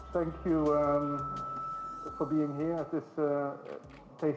terima kasih telah berada di sini di acara ini